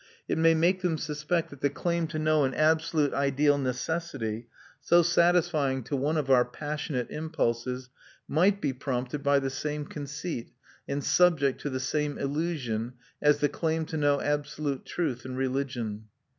It might make them suspect that the claim to know an absolute ideal necessity, so satisfying to one of our passionate impulses, might be prompted by the same conceit, and subject to the same illusion, as the claim to know absolute truth in religion.